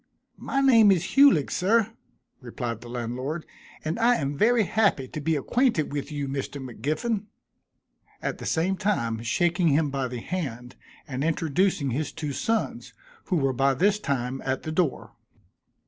"My name is Hulig, sir," replied the landlord, "and I am very happy to be acquainted with you, Mr. M'Giffin," at the same time shaking him by the hand, and introducing his two sons, who were by this time at the door.